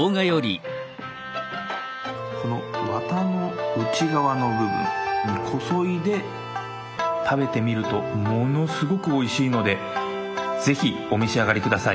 このワタの内側の部分こそいで食べてみるとものすごくおいしいので是非お召し上がり下さい。